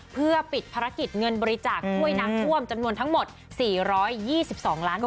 เพื่อปิดภารกิจเงินบริจาคถ้วยน้ำท่วมจำนวนทั้งหมด๔๒๒ล้านบาท